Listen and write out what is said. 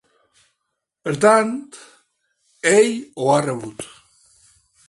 Per tant, ell ho ha rebut.